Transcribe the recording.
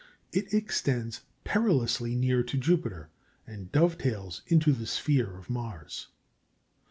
It extends perilously near to Jupiter, and dovetails into the sphere of Mars.